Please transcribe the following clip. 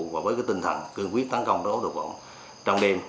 và với cái tinh thần cương quyết tấn công đối tượng trong đêm